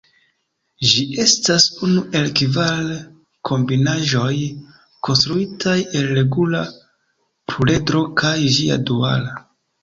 Ĝi estas unu el kvar kombinaĵoj konstruitaj el regula pluredro kaj ĝia duala.